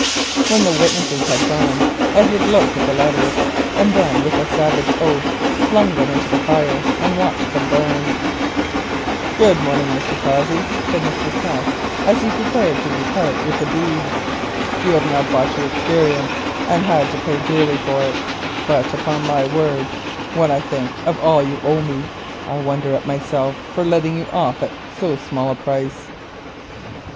When the witnesses had gone Edward looked at the letters, and then with a savage oath flung them into the fire and watched them burn. "Good morning, Mr. Cossey," said Mr. Quest as he prepared to part with the deeds. "You have now bought your experience and had to pay dearly for it; but, upon my word, when I think of all you owe me, I wonder at myself for letting you off at so small a price."